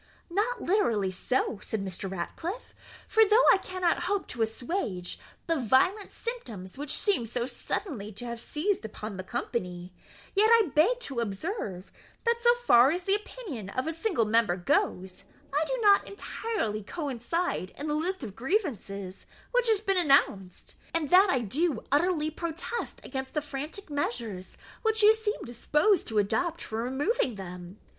"Not literally so," said Mr. Ratcliffe; "for though I cannot hope to assuage the violent symptoms which seem so suddenly to have seized upon the company, yet I beg to observe, that so far as the opinion of a single member goes, I do not entirely coincide in the list of grievances which has been announced, and that I do utterly protest against the frantic measures which you seem disposed to adopt for removing them.